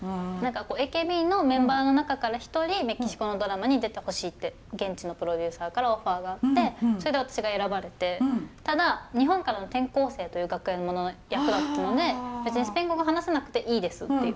ＡＫＢのメンバーの中から一人メキシコのドラマに出てほしいって現地のプロデューサーからオファーがあってそれで私が選ばれてただ日本からの転校生という学園物の役だったので別にスペイン語が話せなくていいですっていう。